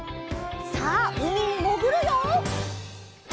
さあうみにもぐるよ！